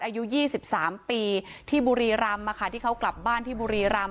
อายุยี่สิบสามปีที่บุรีรำค่ะที่เขากลับบ้านที่บุรีรำ